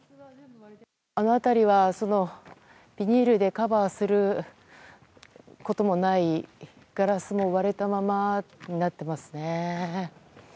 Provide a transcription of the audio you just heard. あの辺りはビニールでカバーすることもないガラスも割れたままになっていますね。